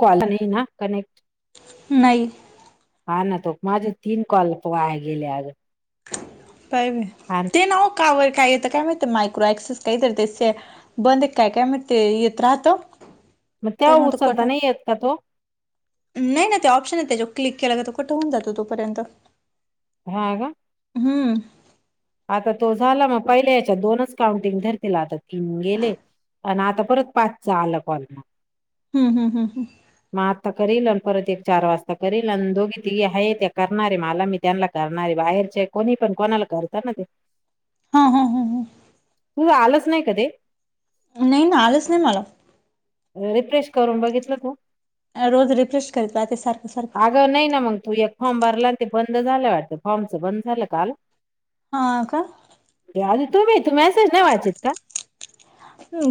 Call नाही ना connect नाही [inaudible] हा ना. तो माझे तीन कॉल वाया गेले अगं. Bye bye. हर - ते नव कावर काय येतं काय माहित मायक्रो ॲक्सेस काही तर त्याचे - - बंद काय काय म ते येत राहतो. मग त्या उचलताना येत का तो? नाही नाही ते ऑप्शन आहे जो क्लिक केला तो कठ होऊन जातो तोपर्यंत. हा का? हम्म. आता तो झाला मग पहिले याच्यात दोनच काउंटिंग धरतील आता तीन गेले. आणि आता परत पाचा आलं कॉल म. हम्, हम्, हम्, हम. मग आत्ता करील आणि परत एक चार वाजता करेील आणि दोघी तिघी आहे त्या करणारे मला मी त्यांना करणारे बाहेरचे कोणी पण कोणाला करतात ना ते हा हा हा हा तू आलंच नाही कधी नाही ना आलंच नाही मला रिफ्रेश करून बघितलं तू हा रोज रिफ्रेश करीत राहते सारखं सारखं अग नाही ना मग तू एक फॉर्म भरला आणि ते बंद झालं वाटत फॉर्मच बंद झालं काल हा का अध तुम्ही तू मेसेज नाही वाचत का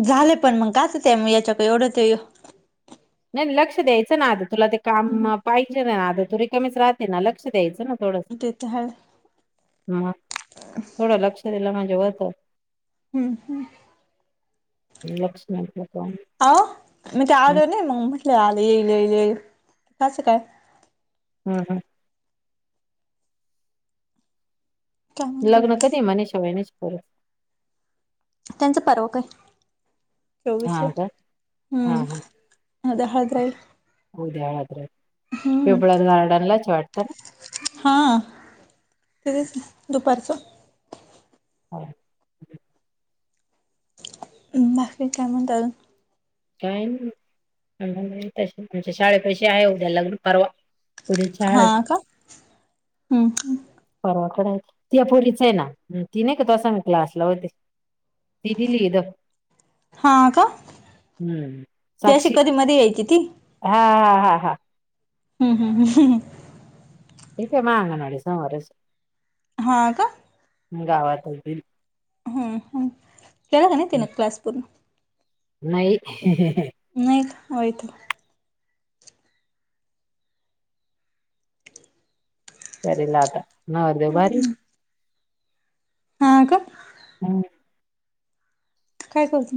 झालेय पण मग काच ते याच्याक एवढं ते नाही नाही लक्ष द्यायचं ना आध तुला ते काम हम्म, हम्म. पाहिजे ना आधं तुरी कमीच राहते ना लक्ष द्यायचं ना थोडं ते त हाय ह थोडं लक्ष दिलं म्हणजे होत हम् हम् लक्ष नाही दिलं तर अ मी ते हं, आलो ना मग म्हटलं आलं येईल येईल येईल कायचं काय हां हां काय म्हणता लग्न कधी मणेषवाईनेच कर त्यांचं पर्व काय चोवीसला हा का हम्म अ दहाद्रहि होऊद्या ह्रे इिवळार गारडनला चछटतना हा तेच दुपसो हो नखळी काय म्हणंतलून काय नाही आ आमच्या शाळे पैसे आहे उद्या लग्न परवा पु चळ [unintelligible] हा का [unintelligible] हम्म परवा कडा ती अपोलीच आहे ना ती नाही का तस म क्लासला होते दिदी लिद [unintelligible] [unintelligible] हा का हं. त अशी कधी मध्ये यायची ती हां हां हां हां हम् हम् ह इक मा अंग नाडीस वरेस् हा का गावातच हम् ह खळक नाही तन क्लास पूर्ण नाही नाही आहेत सरीला आता नवरदेव भारी हा का ह काय करत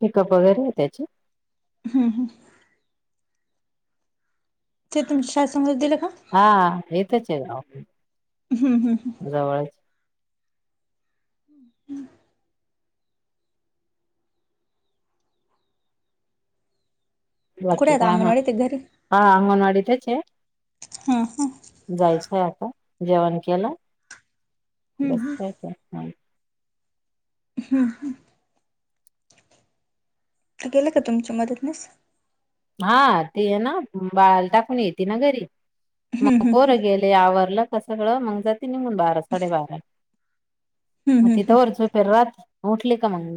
पिकअप वगैरे आहे त्याची हम् हम् ते तुम शासनाला दिलं का हा हा इथेच आहे हम् हं जवळ ह् हम् कुठे बाकी आहेत काय मग अंगणवाडी ते घरी हा अंगणवाडीतच ए हा हां जायचंय आता जेवण केला हम्म बस हम्म [unintelligible] हम्, गेल्या का तुमच्या मदतनेस? हा, ती आहे ना बाळाला टाकून येते ना घरी, मग पोर गेल आवरलं का सगळं, मग जाते निघून बारा साडे बारा हम्म मग हम्म तिथ रात उठली का मग,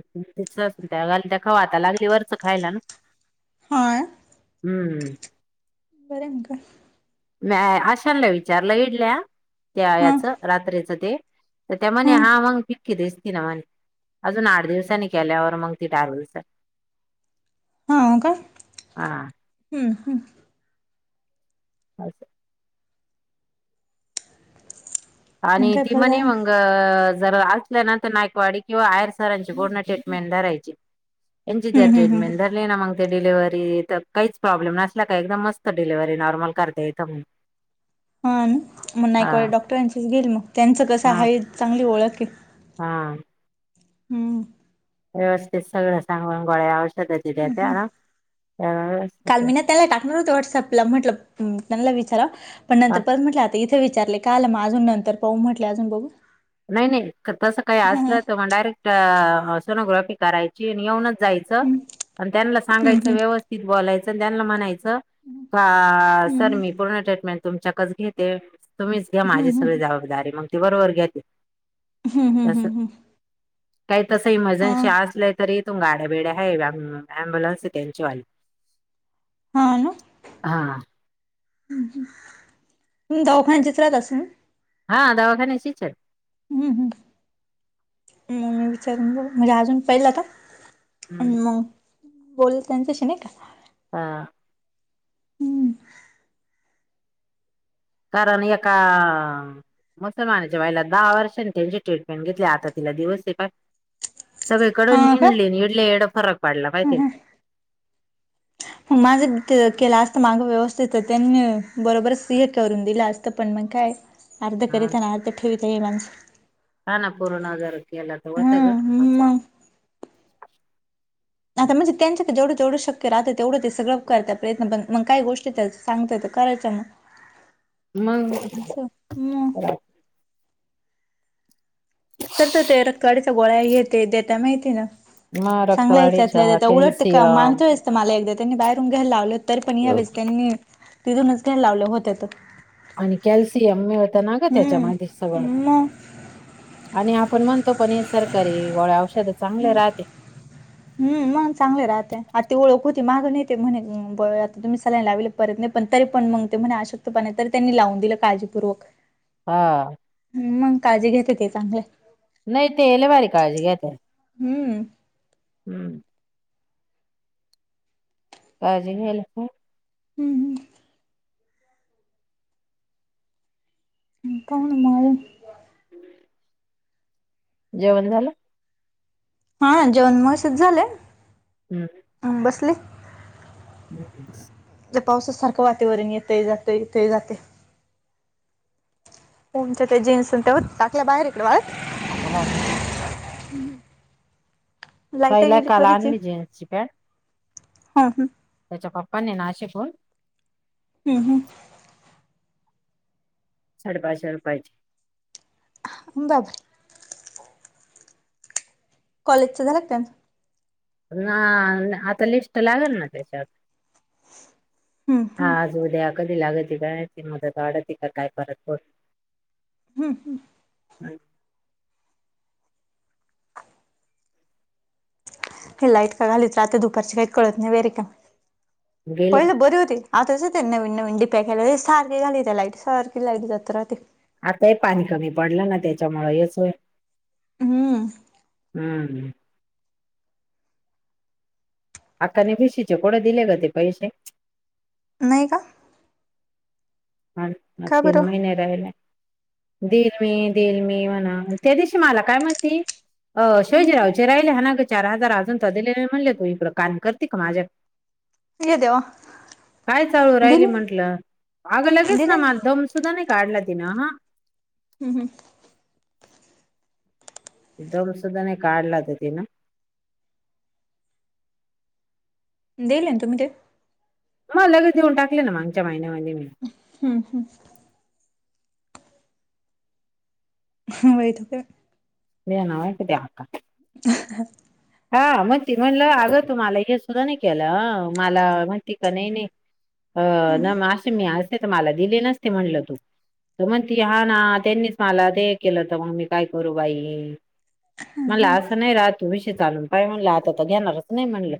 घालत्या खावा आता लागली वरचं खायला ना. हांय. हम्. प्रियंका. नाही आशा ना विचारलं इथल्या. त्या हा याच रात्रीचं ते, तर त्या म्हणे हा मग दिसते ना म्हणे. अजून आठ दिवसाांनी केल्यावर मग ती हा, का, हा हम्म, हम्. अस. मग आणि काय ती परत म्हणे आलं मंग. अ जर असल्या ना तर, नायकवाडी किंवा आहेयर सरांची पूर्ण ट्रीटमेंट धरायची. हम्म एंजिरद हम्म हम्म ट्रीटमेंट. [unintelligible] ना मग ते डिलिव्हरी काहीच प्रॉब्लेम नसला का, एकदम मस्त डिलेव्हरी नॉर्मल करता येथ. हा मग, नाइकवाड डॉक्टरांचीच घेईल मग, त्यांचं कसं हा आहे चांगली ओळख आहे. हा. हम्म. व्यवस्थित सगळ सांगून, गोळ्या, औषध, दिल्या त्याला काल व्यवस्थित मी ना त्याला टाकणार होते व्हॉट्सअपला, म्हटलं त्यांला विचारा पण हा नंतर परत म्हटलं इथे विचारले, काल म अजून नंतर पाहू म्हटले अजून बघू नाही नाही सकाळ-सकाळी हा आठला हा येतो म्हणालाय, डायरेक्ट सोनोग्राफी करायची आणि येऊनच जायचं. हम्म आणि त्यांनलाच. सांगायच हम्म व्यवस्थित बोलायचं त्यांना म्हणायचं का, सर हम्म मी पूर्ण ट्रीटमेंट तुमच्याकच घेते, तुम्हीच घ्या हम्म माझी सगळी हम्म जबाबदारी, मग ती बरोबर घेते. हम्म हम्म तस, हम्म काही तस हा इमर्जन्सी असलं तरी. तु गाड्या बेड्या आहे, अम्ब्युलन्स आहे त्यांच्या वाली. हा ना हा [unintelligible] हा दवाखान्याचे हम्म, हम्, म मी विचारून ब, म्हणजे अजून पहिलं आता. मग, बोल त्यांच्याशी नाही का. हा. हम्. कारण एका मुसलमानाच्या बाईला दहा वर्षांनी त्यांची ट्रीटमेंट घेतली, आता तिला दिवस पा सगळीकडून हा का इडले, इडल्या येड फरक पडला माहिते का. मग माझं केलं असत मागं, व्यवस्थित त्यांनी बरोबरच हे करून दिलं असतं. पण मग काय. अर्ध हा करीताना, अर्ध ठेवता, ये माणसं. का ना पूर्ण आजार केला तर, होतं ग हा असं. मग आता म्हणजे, त्यांच्या जेवढं जवढं शक्य राहतं तेवढं ते सगळ करत्यात प्रयत्न, पण मग काय गोष्टी त्याच सांगतेय करायचं मग. मंग. असं मग तर, तर, ते रक्तवाडीच्या गोळया हे ते देता माहितीय का? मग चांगला रक्तवाढीच्या त्यातल्या त्यात, उलटत ते काम कॅल्शियम मागच्यावेळीस मला एकदा त्यांनी बाहेरून घ्यायला लावलं, त री पण यावेेळेस त्यांनी तिथूनच घ्यायला लावलं होत. आणि कॅल्शियम मिळत ना ग, हम्म त्याच्यामध्ये सगळं. मग आणि आपण म्हणतो पण, हे सरकारी व औषध चांगले राहते. हम् मग, चांगले राहते आ ओळख होती मागं न येते म्हणे आता तुम्ही सलाईन लावल. परत नाही पण तरी पण मग ते म्हने आशक्त पना आहे. तरी त्यांनी लावून दिलं काळजीपूर्वक. हा. मग काळजी घेते ते चांगले. नाही ते लय भारी काळजी घेत्यात. हम्म. काळजी घ्यायला नको. हम् हम् काण मार [unintelligible] जेवण झालं. हा जेवण मगाशीच झालंय. हं हं आ बसले. क [unintelligible] पावसासारखं वातावरण येतंय जातंय येतंय जातेय. तमच्या त्या जीन्स हुत्या टाकल्या बाहेर इकडे वाळत. हो [unintelligible] लाईट साईला गेली काल कोणाची. आणली जीन्सची पॅन्ट हा हम त्याच्या पप्पनी नाशिकहून. हम् हम. साडेपाचशे रुपयाची. बग. कॉलेजचं झालं त्या ना आता लिस्ट लागेल ना त्याच्यात. हम्म हा हम्म आज उद्या कधी लागती काय माहित मदत वाढत का काय परत पोर हम हं. नाही. हे लाईट का घालीत राात दुपारची काही कळत नाही वेहेरी का गेले पहिलं बरी होती. आ तस त्यां नविन नविन डीपऱ्या खेळायला सारखे घाली त्या लाईट सारखी लागली जत्र ते. आताही पाणी कमी पडलं ना त्याच्यामुळे हेच होय. हम्म. हं. आत्ता नाही फिशीचे कोडे दिले ग ते पैसे. नाही का. ह म [unintelligible] का तन बरं महि राहिलाय दिल मी दिल मी म्हणा त्या दिवशी मला काय माहिती अ हम् शवाजीरावचे राहिले हा ना ग चार हजार अजून तर दिले म्हणले तू इकडं काम करते का माझ्यात. ये देवा काय चालू राहिली दिले म्हंटलं? अगं लगेच दिले ना मला हम्म दमसुद्धा नाही काढला तिनं हा. हम् हम दम सुद्धा नाही काढला ती ना. देईल तुम्ही ते. मग लगच घेऊन टाकले ना मागच्या महिन्यामध्ये मी हम्म हम्. हम्म वैतग दे नाय क द्या अकात. [unintelligible] हा म्हणती म्हणलं अगं तू मला एक सुद्धा नाही हा केलं मला म्हणती का नाही नाही. अ ना मग असे मी असते तर मला दिले नसते म्हणल तू त म्हणती हा ना त्यांनीच मला ते केलंत मग मी काय करू बाई. मला असं नाही राहतो. चालून काय म्हणलं आता तर घेणारच नाही म्हणलं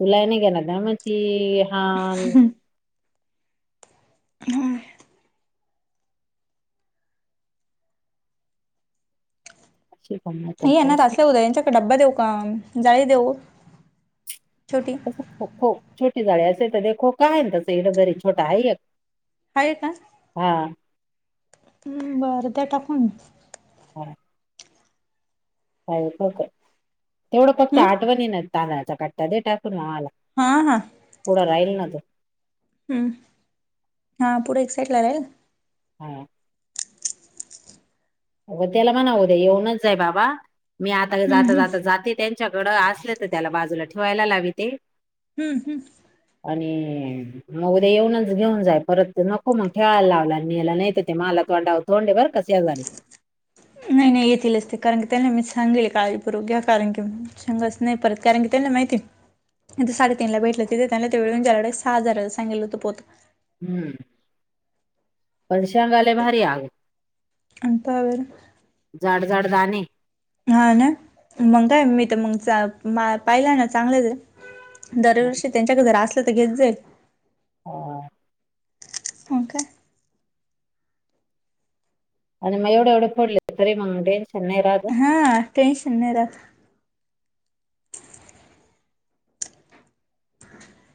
तुला नाही घेणार नाही मग ती [inaudible] हम्म. चेक [inaudible] हे येणार असता, उद्या यांच्याकडे डब्बा देऊ का, जाळी देऊ छोटी. ख छोटी झाडे असे तर देखो काय, आहे तसं इथ घरी छोटा आहे एक. हय का हा बरं द्या टाकून म. हां [unintelligible] काय तेवढं फक्त हम् आठवणी ना तांदळाचा कट्टा दे टाकून माला. हा, हा. राहिल ना तो. हम्म हा पुढे एक्साइट ला राइल. हां [unintelligible] अ त्याला म्हणाव उदया येऊनच जाय बाबा मी आता हम्म जाता, हम्म जाता, जाते. त्यांच्याकड असले तर त्याला बाजूला ठेवायला लावीते. हम्म हम्म. आणि मग उद्या येऊनच घेऊन जाय परत नको मग ठेवायला लावला आणि मी यालाह ते मला तो डा, तोंड आहे बरका त्याला बी. नाही नाही येतीलचते कारण की त्यांना मी सांगले काळजी पूर्वक घ्या कारण की सांग नाही परत कारण की त्यांना माहिती साडेतीन ला भेटलं तिथे त्यांच्याकडे सहा हजारा सांगलं होत पोत. हम्म. पर शेगालय भारी आग आणि पहा बरं जाड, जााड दाणे. हा ना, मग काय मी तर मग पाहिला ना चांगलंच आहे. दरवर्षी त्यांच्याकडे जर असले तर घेत जाईल. ह [unintelligible] हो [unintelligible] का आणि म एव एवढे फोडले तरी मग टेंशन नई राहत ग. हा टेनशन नाही राहत.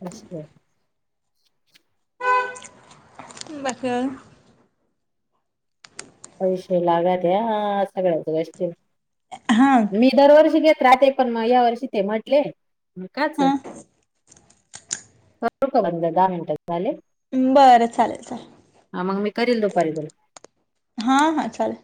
अच्छा [unintelligible] ह बख [unintelligible] पैसेे लागत्यात सगळ्याच गष्टीला. हां. मी दरवर्षी घेत राहते पण मग या वर्षी ते म्हटले मग काच- हा करू का बंद दहा मिनटच झाले. बरं चालेल चालेल. हा मग मी करील दुपारी - हां, हां, चालेल.